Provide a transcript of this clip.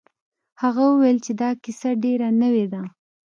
هغه وویل چې دا کیسه ډیره نوې ده.